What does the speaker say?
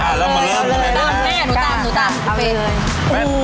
อ่ะแล้วมาเริ่มตามแม่หนูตามหนูตามเอาเลย